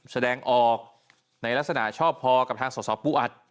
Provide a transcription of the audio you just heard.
แสดงออกในลักษณะชอบพอกับทางสอสอปูอัด